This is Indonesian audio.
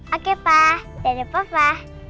oke pa dadah papa